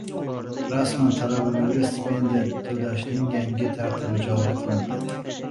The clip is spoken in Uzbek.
Rasman! Talabalarga stipendiya to‘lashning yangi tartibi joriy qilindi